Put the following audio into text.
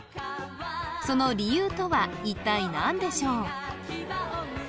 その理由とは一体何でしょう？